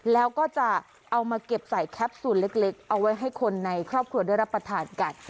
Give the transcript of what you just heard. แล้วก็จะเอามาเก็บใส่แคปซูลเล็กเอาไว้ให้คนในครอบครัวได้รับประทานกัน